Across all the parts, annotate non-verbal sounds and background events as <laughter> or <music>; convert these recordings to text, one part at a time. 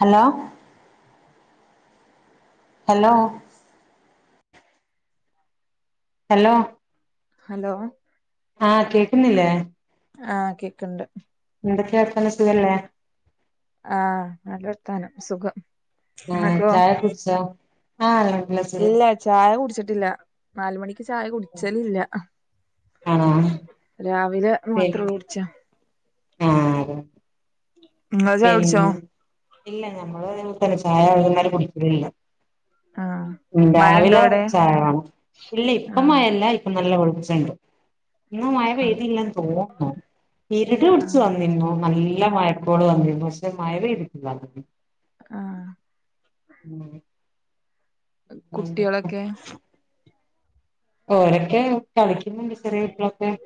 Hello hello hello hello ആഹ് കേക്കുന്നില്ലേ. ആഹ കേക്കണ്ട് എന്തൊക്കെയാ വർത്താനം സുഖല്ലേ ആഹ് നല്ലർത്താനം സുഖം ആഹ ഇങ്ങക്കോ ചായ കുടിച്ചോ ആ ഇല്ല ചായ കുടിച്ചിട്ടില്ല നാലുമണിക്ക് ചായ കുട്ച്ചലില്ല. ആണോ രാവിലെ മാത്രളു കുട്ച്ചാ ആ അതെ, ഇങ്ങള് ചായ കുട്ച്ചോ? ഇല്ല നമ്മള് അതെപോലെത്തന്നെ ചായ വെകുന്നേരം കുടിക്കലില്ല. ആഹ് ഉം മഴണ്ടോ രാവിലെ അവിടെ ചായ വേണം. ഇല്ല ഇപ്പ ആഹ് മഴ ഇല്ല ഇപ്പോ നല്ല വെളി വെളിച്ചണ്ട്. ഇന്ന് മഴ ആഹ് പെയ്തില്ലന്ന് തോന്നുന്നു. ഇരുട് പിടിച്ചു ആഹ് വന്നിരുന്നു നല്ല മഴക്കോള് വന്നിരുന്നു പക്ഷെ മഴ പെയ്ത്ട്ടില്ല. ആഹ മ്മ്. കുട്ട്യാളൊക്കെ. ഓരൊക്കെ കളിക്കുന്നുണ്ട് ചെറിയ കുട്ട്യാള്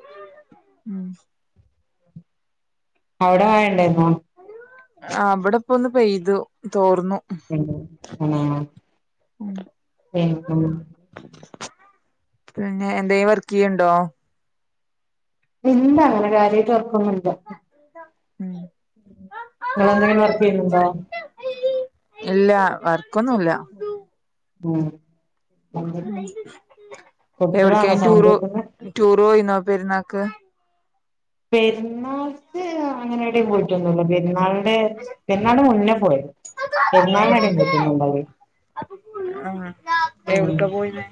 ഉം അവ്ടെ മഴണ്ടായിരുന്നോ? ആ ഇവിടെപ്പോന്ന് പെയ്തു തോർന്നു. ഹ്മ്മ് ആഹ് <inaudible> എനിക്കും പിന്നെ എന്തേം വർക്ക് ചെയ്ണ്ടോ? ഇല്ലാ അങ്ങനെ കാര്യമായിട്ട് വർക്കൊന്നുമില്ല. ഉം ഇങ്ങളെന്തെങ്കിലും വർക്ക് ചെയ്യുണ്ടോ. ഇല്ല വർക്കൊന്നുല്ല. ഉം. എന്തൊക്കെ കുട്ടികളാണോ എവിട്കേം ടൂർ സൗണ്ട് കേക്കുന്നെ ടൂർ പോയിന്നോ പെരുന്നാക്ക്. ക് പെരുന്നാൾക്ക് ഇഹ്‌ ആ. അങ്ങനെടയും പോയിട്ടൊന്നുമില്ല പെരുന്നാളിന് പെരുന്നാളിന്റെ മുന്നേ പോയി. പെരുന്നാളിനെവിടേം പോയിട്ടൊന്നുണ്ടാവിലെയ്‌ ആഹ എവുട്കാ പോയിന്നെ.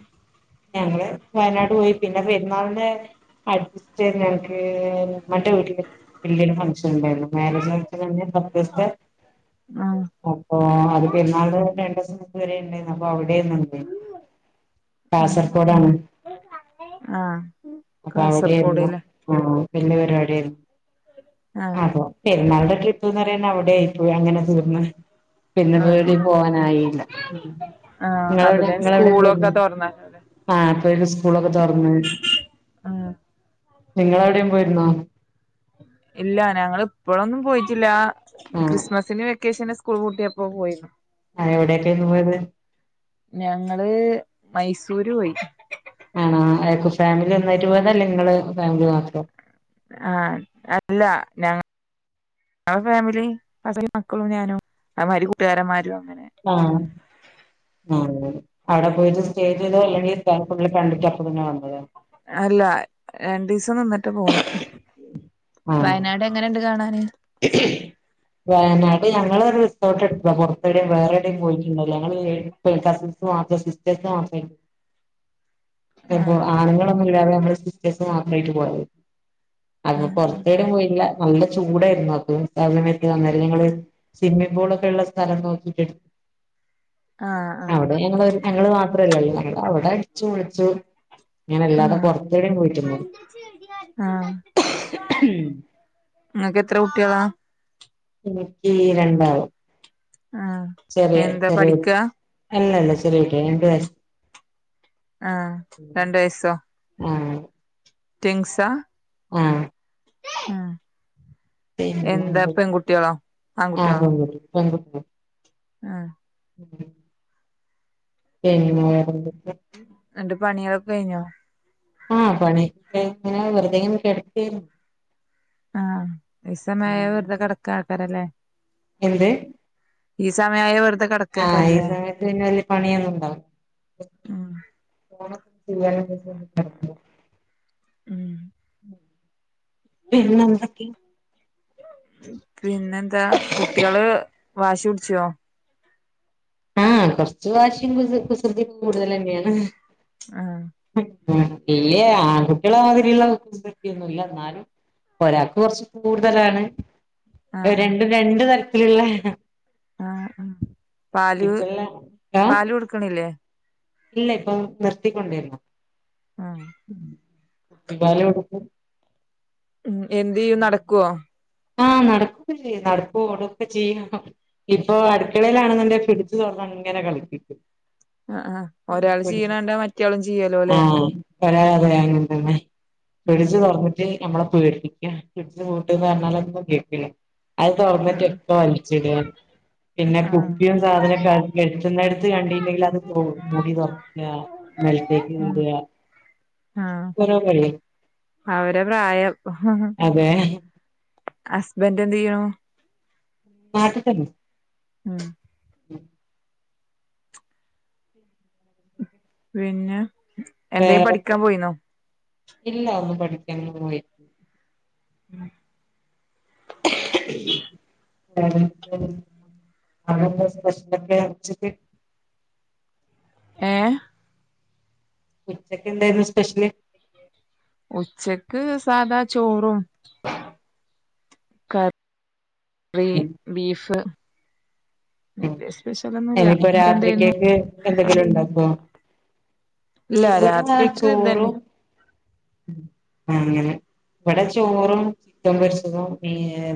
ഞങ്ങള് വയനാട് പോയി പിന്നെ പെരുന്നാളിന് അടുത്തനെ ഞക്ക്. മന്റെ വീട്ടില് വലിയയൊരു ഫങ്ക്ഷന് ഉണ്ടായിരുന്നു മാരേജ് പോലത്തെതന്നെ പതീസ്ത്തെ. ആഹ് അപ്പൊ അത് പെരുന്നാളിന് രണ്ടീസം വരെ ഉണ്ടായി അപ്പൊ അവിടെന്ന്ണ്ടയ്ന് ആഹ് കാസർഗോഡാണ് ആഹ് അപ്പ അവിടായിരുന്നു കാസർഗോഡ്ല്ലേ മ്മ് വലിയ പരിവാടിയായിരുന്നു ആഹ് അതോ പെരുന്നാളിന്റെരു ട്രിപ്പ്ന്ന് പറയാൻ അവിടെയയി പോയി അങ്ങനെ തീർന്ന്. പിന്നെവിടെ ആഹ് പോവാനായില്ല ആഹ് നിങ്ങളവിടെ അപ്പതേന് നിങ്ങളെവിടെ പോയ്രുന്നു സ്കൂളൊക്കെ തുറന്നല്ലേ ആഹ അപ്പൊയെക് സ്കൂളൊക്കെ ത്തോർന്ന് ഉം നിങ്ങള എവിടെയും പോയിരുന്നോ ഇല്ല ഞങ്ങ ഇപ്പോഴൊന്നും പോയിട്ടില്ല ആ ക്രിസ്മസിന് വെക്കേഷന് വെക്കേഷന് സ്കൂൾ പൂട്ടിയപ്പോ പോയി ആ എവിടെക്കാരുന്നു പോയത് ഞങ്ങള് മൈസൂര് പോയി ആണോ ഫാമിലി ഒന്നായിട്ട് പോയതല്ലെ ഇങ്ങള് അതോ ഇങ്ങൾ മാത്രോ ആഹ അല്ല ഞങ്ങൾ ഞങ്ങളെ ഫാമിലി അസ്ബൻറ്റും മക്കളും ഞാനും ആമാരി കൂട്ടുകാരന്മാരും അങ്ങനെ ആഹ ആ അവിടെ പോയിട്ട് സ്റ്റേ ചെയ്ത അല്ലെങ്കിൽഅവിടെ ഫുള്ള് കണ്ടിട്ട് അപ്പ തന്നെ വന്നത് അല്ല രണ്ടു ദിവസം നിന്നിട്ട് പോന്ന് വയനാട് എങ്ങനെണ്ട് കാണാൻ വനാ അപ്പൊ ഞങ്ങള് ഒരു റിസോർട്ട് എട്ടോ പുറവിടെയും വേറെവിടെേയും പോയിട്ടുണ്ട ഞങ്ങള്ൾ കസിൻസ് മാത്ര സിസ്റ്റേസ് മാത്രേ അപ്പ ആഹ് ആനുങ്ങളൊന്നും ഇല്ലാതെ നമ്മെ സിസ്റ്റേഴ്സ് മാത്രയിട്ട് പോയരുന്നു അപ്പൊ ആഹ് പൊറത്തെടെ പോയില്ല നല്ല ചൂടാ <unintelligible> ഞങ്ങള് സ്വിമ്മിം പൂളൊക്കെ ഉള്ള സ്ഥലം നോക്കിട്ടെടു ആഹ് ആഹ് അവിടെ ഞങ്ങള് ഞങ്ങള് മാത്രല്ലള്ളോ ഞങ്ങളവിടെ അടിച്ചു പൊളിച്ച് ഇങ്ങന ആഹ് അല്ലാതെ ആഹ് പൊറത്തെടെ പോയിട്ടില്ല ആഹ് ഉം ഇങ്ങക്ക് എത്ര ട്ടിയള? എനിക്ക് രണ്ടാള് ആഹ് ചെറിയ എന്താ ചെറിയ പഠിക്കാ അല്ലല്ല ചെറിയ കുട്ട്യാള രണ്ട് വയ ആ രണ്ട് വയസ്റ്റോ? ട്‌വിങ്സാ? ആ ഉം എന്താ പിന്നെ പെൺകുട്ടികളോ ആഹ് ആൺകുട്ടികളോ? പെൺകുട്ടി ആ ഉം പിന്നെ റൊന്തൊക്കെ അന്റെ പണികളൊക്കെ കഴിഞ്ഞോ? ആ പണി ഇങ്ങനെ വെറുതെങ്ങനെ കെടക്കയിരുന്നു ആ ഇ സമയ വെറുതെ കെടക്കക്കാരല്ലേ എന്ത് ഈ സമയായ വെ ആ ഈ സമയത്ത് പിന്നെ വല്യ പണിയൊന്നുംണ്ടാവുല. ഉം <unintelligible> ഉം പിന്നെ എന്തൊക്കെ? പിന്നെ എന്താ കുട്ടികള് വാശി പിട്ച്ചോ? ആ കൊറച്ചു വാശിം കുസൃതിം കൂടുതൽ തന്നെയാണ് ആ ല്ലേ ആൺകുട്ടികളതിരിയുള്ള കുസൃതി ഒന്നുല്ല ന്നാലും ഒരാക്ക് കൊറച്ച് കൂടുതലാണ് രണ്ടും രണ്ടു തരത്തില്ള്ള ആ അ പാല് ആഹ് പാല് കൊടുക്ക്ണില്ലേ ഇല്ല ഇപ്പം നിർത്തിക്കൊണ്ടിരുന്നു. ആഹ് കുപ്പി പാല് കൊട്ക്കും. ഉം എന്ത്‌ ചെയ്യും നടക്കൊ? ആഹ് നടക്കുകൊക്കെ ചെയ്യും നടക്കും ഓടൊക്കെ ചെയ്യും ഇപ്പൊ അടുക്കളയിലാണെന്നുണ്ടെങ്കിൽ ഫ്രിഡ്ജ് തൊറന്ന അങ്ങനെ കളിക്കും ആ ആ ഒരാള് ചെയ്യണണ്ട മറ്റേയാളും ചെയ്യാലോ അല്ലെ? വരാതെയങ്ങനെ ഉം പിടിച്ചു തൊറന്നിട്ട് നമ്മളെ പേടിപ്പിക്ക ഇട്ട് പൂട്ട് പറഞ്ഞാലോന്നും കേൾക്കില്ല. അത് തുറന്നിട്ടൊക്കെ ആഹ് വലിച്ചിട പിന്നെ ആഹ് കുപ്പിയും സാധനൊക്കെ ആക്കി എത്തുന്നിടത്തു ത് കണ്ടില്ലെങ്കിൽ അത് മൂടി തുറക്ക നിലത്തേക്ക് ഉം ഇട ആഹ് ക്കൊരൊ <unintelligible> അവരെ പ്രായം അതെ ഹസ്ബൻഡ് എന്ത് ചെയ്ണു? നാട്ടിൽ തന്നെ ഉം ഉ പിന്നെ എന്തങ്കിലും വേറെ പഠിക്കാൻ പോയിന്നോ? ഇല്ല ഒന്ന് പഠിക്കാൻ ഒന്നും പോയില്ല ഉം <unintelligible> അവിടെന്താ സ്പെഷ്യൽ ഒക്കെ ഉച്ചക്ക് ഏഹ് ഉച്ചക്ക് എന്തായിരുന്നു സ്പെഷ്യല്? ഉച്ചക്ക് സാധാ ചോറും കറി ബീഫ് ഉ വലിയ സ്പെഷ്യലൊന്നുല്ല ഇനിയിപ്പോ ഇങ്ങക്കെന്തേരുന്നു രാത്രിക്കേക്ക് എന്തെങ്കിലും ഉണ്ടോക്കൊ? ഇല്ല ഇവിടെ രാത്രിക്ക് ഇതന്നെ ചോറും അങ്ങനെ ഇവിടെ ചോറും ചിക്കൻ പൊരിച്ചതും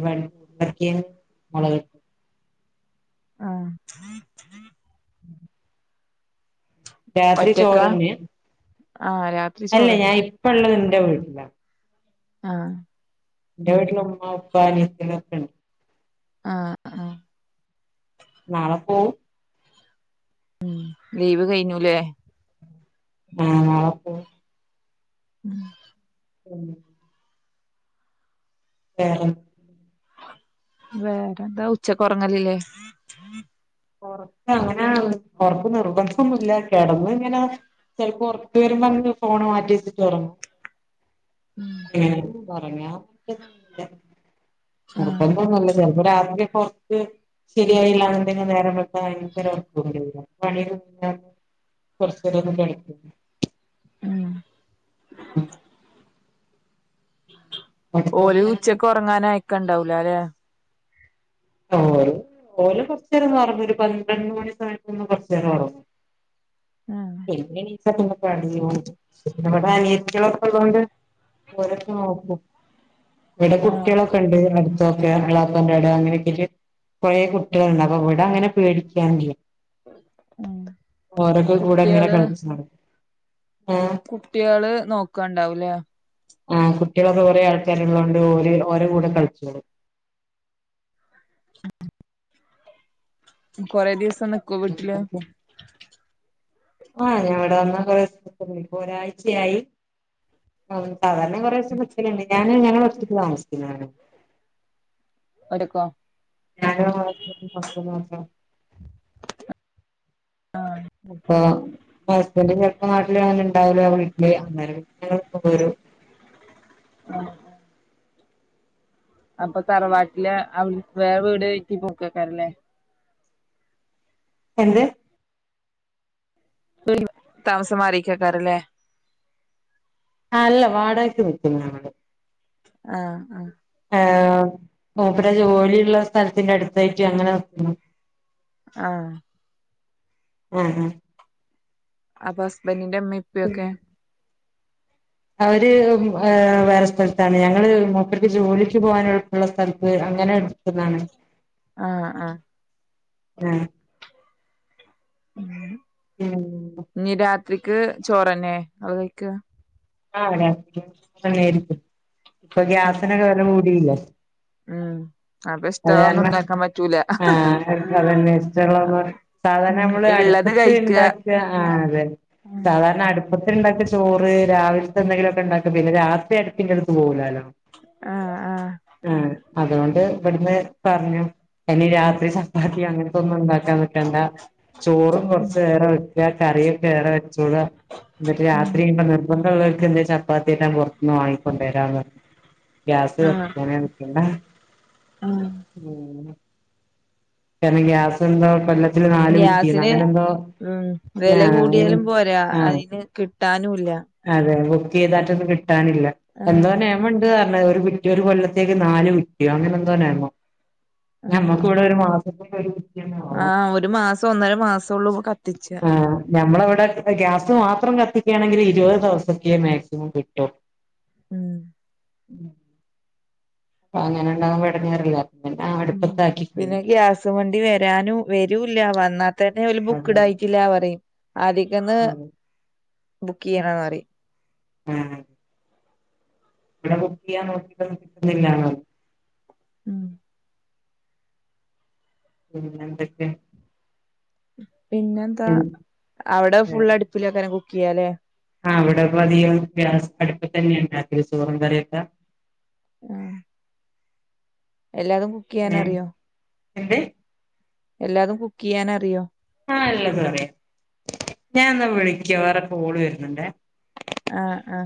പരി മുളകിട്ടതും. <unintelligible> ആഹ രാത്രി ചോർ ഒറ്റക്കാ ന്നെ ആഹ് രാത്രി അല്ല ചോറന്നെ ഞാൻ ഇപ്പള്ളത്ണ്ട്.. ന്റെ വീട്ടില ആഹ എന്റെ വീട്ടിലിൽ മ്മ ഉപ്പ അനിയത്തികൾ ഒക്കെ ഉണ്ട്. ആഹ ആഹ നാളെ പോവും. ഉം ലീവ് കഴിഞ്ഞുല്ലേ..? ആഹപ്പ ഉം ഉം വേറെ ന്താ വേറെന്താ ഉച്ചക്കുറങ്ങലില്ലേ?? ഒറക്ക് അങ്ങന ഉറക്ക് നിർബന്ധന്നുമില്ല കിടന്ന് ഇങ്ങനാ ചെലപ്പോ ഉറക്ക് വരുമ്പോ അങ്ങ് ഫോണ് മാറ്റി വെച്ചിട്ട് ഉറങ്ങും. ആഹ് നിർബന്ധം ഒന്നുമില്ല ചിലപ്പോ അ രാത്രി ഉറക്ക് ശരിയായില്ല ന്നുണ്ടെങ്കിൽ നേരത്തെ - ഭയങ്കര ഉറക്ക് വരുമായി കൊറചെരൊന്ന് കിടക്കും ഉം ഉം ഓല് ഉച്ചക്ക് ഉറങ്ങാന ആയക്കണ്ടാവല അല്ലേ? <unintelligible> ഓര് കൊറച്ചു നേരം ഒന്ന് ഉറങ്ങും ഒരു പന്ത്രണ്ട് മണി സമയത്ത് ഒന്നു കൊറച്ചുനേരം ഉറങ്ങും ആഹ് പിന്നെ എണ്ണിച്ച പിന്നെ <inaudible> അനിയത്തിയൊക്കെ ഉള്ളോണ്ട് ഓരോക്കെ നോക്കും ഇവിടെ ആഹ് കുട്ടികളൊക്കെ ഉണ്ട് അടു <unintelligible> ഇള്ളപാൻ്റെ അവിടെ അങ്ങനെയൊക്കെ ആയിട്ട് കുറെ കുട്ടികളുണ്ട് അപ്പൊ ഇവിടെ അങ്ങനെ പേടിക്കാനില്ല ഉം ഓരോക്കെ കൂടെ ഇങ്ങനെ കുട്ടികള് കളിച്ച് നടക്കും ആഹ് കുട്ടികള് നോക്കണ്ടാവൂലേ ആ കുട്ടികളൊക്കെ കുറെ ആൾക്കാര് ഉള്ളോണ്ട് ഓര് ഓര്ടെ കൂടെ കളിച്ചോളും കൊറെ ദിവസം നിക്കോ വീട്ടില് ആ ഞാനിവിടെ വന്നാ കൊറെ ദിവസം നിക്കും ഇപ്പൊ ഒരാഴ്ചയായി സാധാരണ കുറെ ദിവസം നിക്കലണ്ട് ഞാന് <unintelligible> താമസിക്കുന്നാണ് ഓരുക്കോ ഞാന് <inaudible> അപ്പോ ഹസ്ബൻഡ് ചിലപ്പോ നാട്ടിലങ്ങനെ ഉണ്ടാവില്ല വീട്ടില് അന്നേരംഞങ്ങൾ ഇപ്പൊ പോരും <unintelligible> ആ അപ്പൊ തറവാട്ടില് അവ വേറെ വീട് വച്ച് പോക്ക <inaudible> ക ല്ലേ എന്ത് പി താമസം മാറിയിക്കക്കാരല്ലേ ആ അല്ല വാടകക്ക് നിക്കുന്നു ഞങ്ങള് ആഹ് ആ ആ മൂപ്പരെ ജോലിയുള്ള സ്ഥലത്തിന്റെ അടുത്തായിട്ട് അങ്ങനെ നിക്കുന്നു ആ മം മം അപ്പൊ ഹസ്ബന്റിന്റെ ഇമ്മി ഉം ഇപ്പിയൊക്കെ അവര് വേറെ സ്ഥലത്താണ് ഞങ്ങള് മുപ്പർക്ക് ജോലിക്ക് പോകാനുള്ള ള്ള സ്ഥലത്ത് അങ്ങനെ എടുത്തതാണ് ആ ആ ആ മം മം രാത്രിക്ക് ചോറന്നെ ആണോ കഴിക്ക ആ <inaudible> രാത്രിക്ക് ചോറ് തന്നെ ആയിരിക്കും ഇപ്പൊ ഗ്യാസിനൊക്കെ വില കൂടിയില്ലേ ഉം അപ്പൊ ഇഷ്ടള്ളതൊന്നും അതുകാരണം ഉണ്ടാക്കാൻ പറ്റൂല ആ അതന്നെഇഷ്ട്ട ഒള്ള <unintelligible> സാധാരണ ഉം നമ്മള് ഇള്ളത് അടുപ്പത്ത് കഴിക്ക ഉണ്ടാക്കിയ ആ അതെന്നെ സാധാരണ അടുപ്പത്തി ഉണ്ടാക്കിയ ചോറ് രാവിലത്തെ എന്തെങ്കിലുവൊക്കേ ഉണ്ടാക്കും പിന്നെ രാത്രി അടുപ്പിന്റെ അടുത്ത് പോകൂ ലലോ ആ ആ അതുകൊണ്ട് ഇവിടുന്ന് പറഞ്ഞു ഇനി രാത്രി ചപ്പാത്തി അങ്ങനത്തെ ഒന്നും ഉണ്ടാക്കാൻ നിക്കണ്ട ചോറും കുറച്ച് ഏറെ കറിയൊക്കെ വേ റെ വെച്ചോള എന്നിട്ട് രാത്രി ഉം <unintelligible> നിർബന്ധവോളൊര് ചപ്പാത്തി എല്ലാം പുറത്തുനിന്ന് വാങ്ങിക്കൊണ്ട വരാന്ന് പറഞ്ഞ് ഗ്യാസ് ആഹ് കത്തിക്കാനേ നിക്കണ്ട ഉം മം കാരണം ഗ്യാസ് എന്തോ കൊല്ലത്തില് നാല് കുറ്റിന്ന് അങ്ങനെ എന്തോ മം വില ആഹ് അങ്ങനെ കൂടിയാലും പോരാ ആഹ് അതിന് കിട്ടാനും ഇല്ല അതെ ബുക്ക് ചെയ്താട്ടൊന്ന് കിട്ടാനില്ല എന്തോ ആഹ് നിയമുണ്ട് എന്ന് പറഞ്ഞ് ഒരു കുറ്റി ഒരു കൊല്ലത്തേക്ക് നാല് കുറ്റിയോ അങ്ങനെ എന്തോ നിയമം ഞമ്മക്ക് ഇവിടെ ഒരുമാസം സം വരും ആ ഒരു മാസം ഒന്നര മാസവുള്ളൂ കത്തിച്ച ഞമ്മളവ്ടെ ഗ്യാസ് മാത്രം കത്തിക്കാണെങ്കിൽ ഇരുപത് ദിവസതെക്ക് മാക്സിമം കിട്ടും ഉം ഉം അപ്പൊ അങ്ങനെണ്ടാമ്പോ ഇടങ്ങേറല്ലേ ഉ പിന്നെ ഗ്യാസ് വണ്ടി വരാനും വരൂല്ല വന്നാ തന്നെ ഓരു അതെ ബുക്ക്ടായിട്ടില്ല പറയും ആദ്യക്കന്ന് അതെ ബുക്ക് ചെയണമറിയ് ഉംഉ വ്ടെ ബുക്കെയ്യാൻ നോക്കിട്ടൊന്നും പറ്റു ന്നില്ലാണ്പറയ് ഉം പിന്നെന്തൊക്കേ ണ് പിന്നെന്താ അവിടെ ഫുള്ളടുപ്പിലൊക്കെനെ കുക്ക് ചെയ്യാലേ ആഹ അവിടെപ്പ അധികം ഗ്യാസടുപ്പ് തന്നെയ ഉണ്ടക്കൽ ചോറും കറിയൊക്കെ ആഹ എല്ലാതും ഏഹ് കുക്ക്യ്യാനറിയോ എന്ത് എല്ലാതും കുക്ക്യ്യാനറിയോ? ആഹ എല്ലതറിയാ ഞാനെന്നാ വിളിക്ക വേറെ കോള് വരുന്നുണ്ടെ ആഹ ആഹ